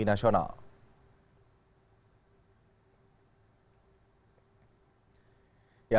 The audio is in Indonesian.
pertumbuhan ekonomi nasional